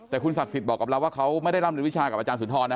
แต่คุณศักดิ์สิทธิ์บอกกับเราว่าเขาไม่ได้ร่ำเรียนวิชากับอาจารย์สุนทรนะ